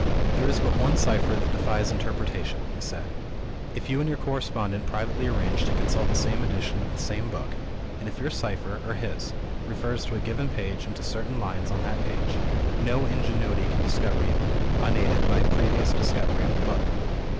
"There is but one cipher that defies interpretation," he said. "If you and your correspondent privately arrange to consult the same edition of the same book, and if your cipher, or his, refers to a given page and to certain lines on that page, no ingenuity can discover you, unaided by a previous discovery of the book.